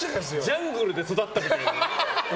ジャングルで育ったみたいな。